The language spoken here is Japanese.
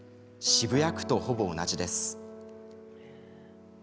渋谷区とほぼ同じです。